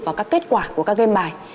vào các kết quả của các game bài